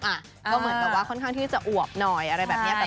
ก็เหมือนกับว่าค่อนข้างที่จะอวบหน่อยอะไรแบบนี้